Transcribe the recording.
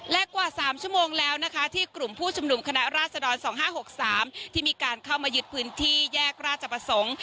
และกว่า๓ชั่วโมงแล้วนะคะที่กลุ่มผู้ชุมนุมคณะราษฎร๒๕๖๓ที่มีการเข้ามายึดพื้นที่แยกราชประสงค์